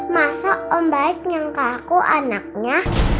masa om baik nyangka aku anaknya